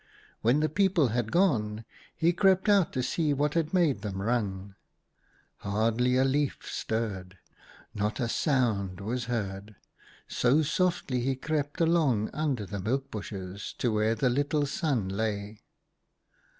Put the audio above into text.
When the people had gone, he crept out to see what had made them run. Hardly a leaf stirred, not a sound was heard, so softly he crept along under the milk bushes to where the little Sun lay.